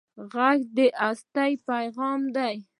غږ د هستۍ پېغام دی